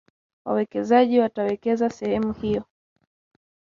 wawekezaji watawekeza sehemu hiyo